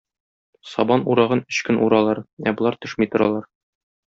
Сабан урагын өч көн уралар, ә болар төшми торалар.